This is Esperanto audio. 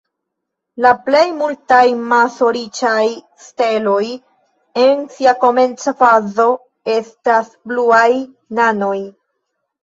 La plej multaj maso-riĉaj steloj en sia komenca fazo estas bluaj nanoj.